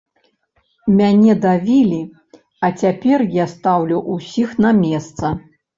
Мяне давілі, а цяпер я стаўлю ўсіх на месца.